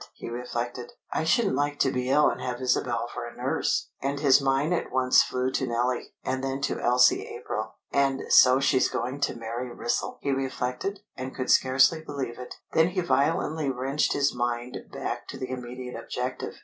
he reflected. "I shouldn't like to be ill and have Isabel for a nurse!" And his mind at once flew to Nellie, and then to Elsie April. "And so she's going to marry Wrissell!" he reflected, and could scarcely believe it. Then he violently wrenched his mind back to the immediate objective.